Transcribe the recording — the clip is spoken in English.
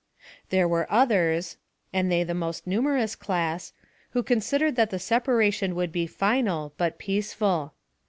There were others, and they the most numerous class, who considered that the separation would be final, but peaceful.